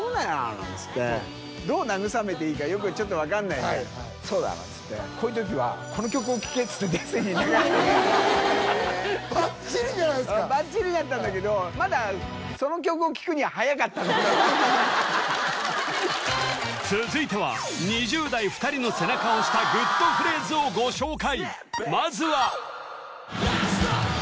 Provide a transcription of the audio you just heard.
なんつってどう慰めていいかちょっと分かんないんで「そうだなこういう時はこの曲を聴け」って「ＤＥＳＴＩＮＹ」流したのよバッチリじゃないですかバッチリだったんだけど続いては２０代２人の背中を押したグッとフレーズをご紹介！